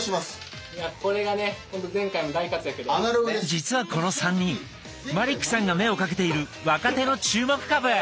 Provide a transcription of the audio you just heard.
実はこの３人マリックさんが目をかけている若手の注目株！